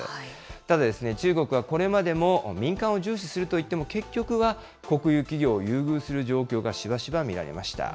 ただ、中国はこれまでも民間を重視するといっても、結局は国有企業を優遇する状況がしばしば見られました。